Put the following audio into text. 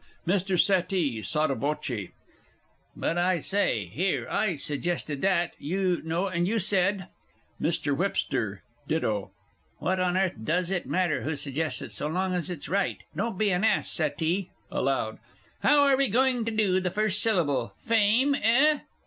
MR. SETTEE (sotto voce). But I say, look here, I suggested that, you know, and you said ! MR. WH. (ditto). What on earth does it matter who suggests it, so long as it's right? Don't be an ass, Settee! (Aloud.) How are we going to do the first syllable "Fame," eh?